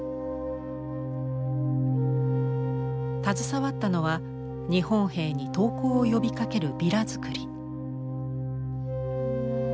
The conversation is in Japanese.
携わったのは日本兵に投降を呼びかけるビラ作り。